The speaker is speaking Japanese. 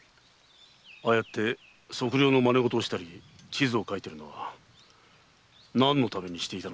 ああやって測量の真似ごとをしたり地図を描いたりは何のためにしていたのかな？